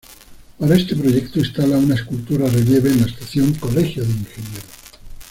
Para este proyecto instala una escultura-relieve en la Estación Colegio de Ingenieros.